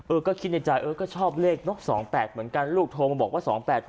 ก็คิดในใจเออก็ชอบเลขเนอะ๒๘เหมือนกันลูกโทรมาบอกว่า๒๘๖